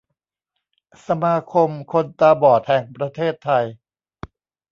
สมาคมคนตาบอดแห่งประเทศไทย